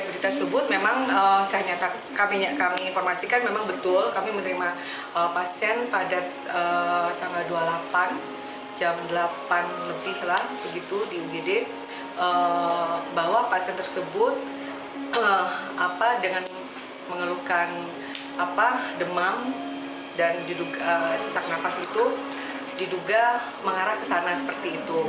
demang dan sesak nafas itu diduga mengarah ke sana seperti itu